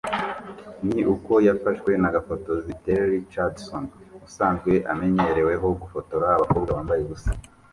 ni uko yafashwe na gafotozi Terry Richardson usanzwe amenyereweho gufotora abakobwa bambaye ubusa